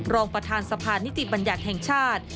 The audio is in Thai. รองประธานสะพานนิติบัญญัติแห่งชาติ